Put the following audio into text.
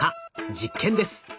実験です。